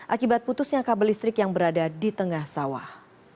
akibat putusnya kabel listrik yang berada di tengah sawah